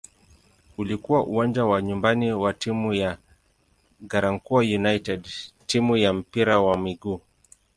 Ulikuwa uwanja wa nyumbani wa timu ya "Garankuwa United" timu ya mpira wa miguu.